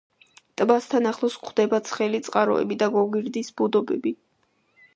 ტბასთან ახლოს გვხვდება ცხელი წყაროები და გოგირდის ბუდობები.